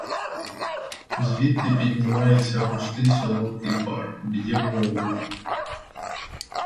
Звідти піднімається густий солодкий пар, б'є в голову.